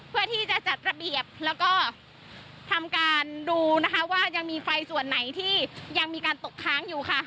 เพื่อที่จะจัดระเบียบแล้วก็ทำการดูนะคะว่ายังมีไฟส่วนไหนที่ยังมีการตกค้างอยู่ค่ะ